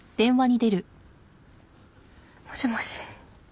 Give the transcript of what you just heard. もしもし？